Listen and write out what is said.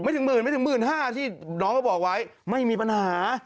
ไม่ถึงหมื่นไม่ถึงหมื่นห้าที่น้องเขาบอกไว้ไม่มีปัญหา